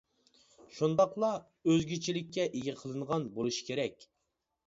شۇنداقلا ئۆزگىچىلىككە ئىگە قىلىنغان بولۇشى كېرەك.